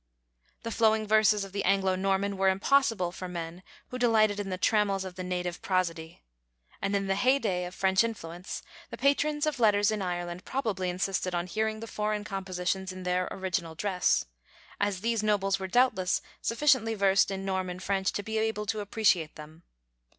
The flowing verses of the Anglo Norman were impossible for men who delighted in the trammels of the native prosody; and in the heyday of French influence, the patrons of letters in Ireland probably insisted on hearing the foreign compositions in their original dress, as these nobles were doubtless sufficiently versed in Norman French to be able to appreciate them.